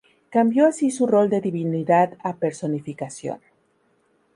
Cambió así su rol de divinidad a personificación.